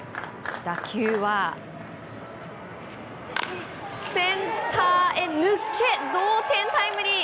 打球はセンターへ抜け同点タイムリー。